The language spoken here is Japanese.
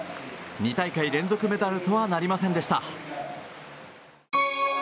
２大会連続メダルとはなりませんでした。